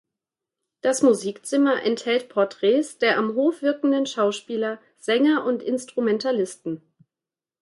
Das Musikzimmer enthält Porträts der am Hof wirkenden Schauspieler, Sänger und Instrumentalisten.